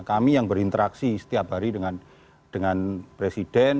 kami yang berinteraksi setiap hari dengan presiden